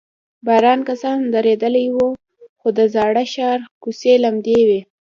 باران که څه هم درېدلی و، خو د زاړه ښار کوڅې لمدې وې.